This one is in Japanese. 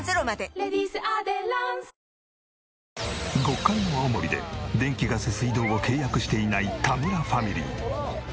極寒の青森で電気ガス水道を契約していない田村ファミリー。